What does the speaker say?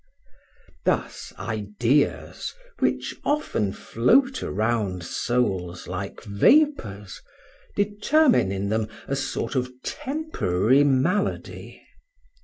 Thus ideas, which often float around souls like vapors, determine in them a sort of temporary malady.